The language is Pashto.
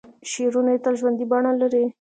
شعرونه یې تل ژوندۍ بڼه لري.